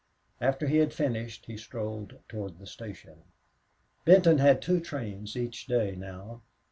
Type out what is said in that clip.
After he had finished he strolled toward the station. Benton had two trains each day now.